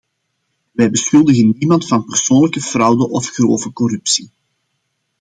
Wij beschuldigen niemand van persoonlijke fraude of grove corruptie.